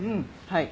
はい。